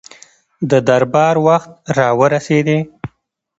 د دربار وخت را ورسېدی.